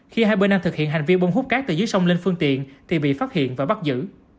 khi hai bên đang thực hiện hành vi bơm hút cát từ dưới sông lên phương tiện thì bị phát hiện và bắt giữ